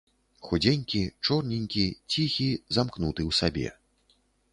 Худзенькі, чорненькі, ціхі, замкнуты ў сабе.